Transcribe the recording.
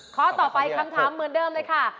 ข้อต่อไปคำถามเหมือนเดิมเลยค่ะ